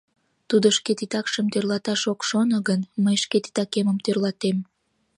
Тудо шке титакшым тӧрлаташ ок шоно гын, мый шке титакемым тӧрлатем...